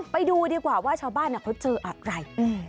ไปดูดีกว่าว่าชาวบ้านเขาเจออะไร